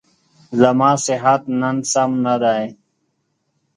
زما صحت نن سم نه دی.